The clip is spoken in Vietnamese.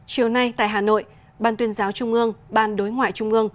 chiều nay tại hà nội ban tuyên giáo trung ương ban đối ngoại trung ương